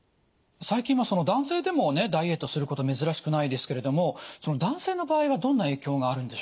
最近は男性でもダイエットすること珍しくないですけれども男性の場合はどんな影響があるんでしょうか。